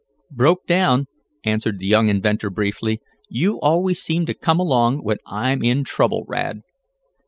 "Broke down," answered the young inventor briefly. "You always seem to come along when I'm in trouble, Rad."